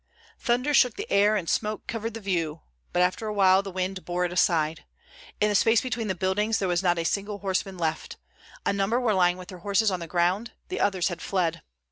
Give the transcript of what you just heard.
Thunder shook the air and smoke covered the view; but after a while the wind bore it aside. In the space between the buildings there was not a single horseman left. A number were lying with their horses on the ground; the others had fled.